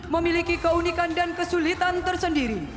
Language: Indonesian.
memiliki keunikan dan kesulitan tersendiri